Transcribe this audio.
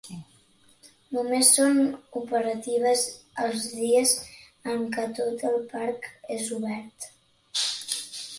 Només són operatives els dies en què tot el Parc és obert.